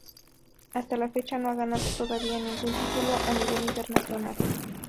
Hasta la fecha, no ha ganado todavía ningún título a nivel internacional.